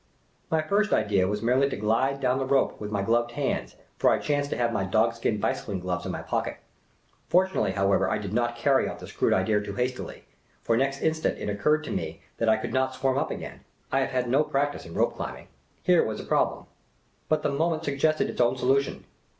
My first idea was merely to glide down the rope with my gloved hands, for I chanced to have my dog skin bicycling gloves in my pocket. Fortunately, however, I did not carry out this crude idea too hastily ; for next instant it occurred to me that I could not swarm up again. I have had no practice in rope climbing. Here was a problem. But the moment suggested its own solution.